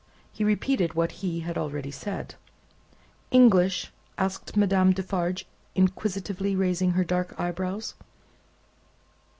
He repeated what he had already said. "English?" asked Madame Defarge, inquisitively raising her dark eyebrows.